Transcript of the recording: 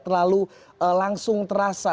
terlalu langsung terasa